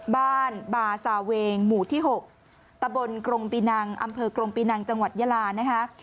บ้านบาซาเวงหมู่ที่๖ตะบนกรงปีนังอำเภอกรงปีนังจังหวัดยาลานะคะ